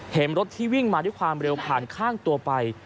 เห็นรถที่วิ่งมาด้วยความเร็วผ่านข้างตัวไป